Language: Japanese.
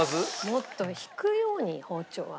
もっと引くように包丁は。